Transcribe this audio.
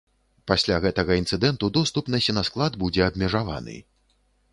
Пасля гэтага інцыдэнту доступ на сенасклад будзе абмежаваны.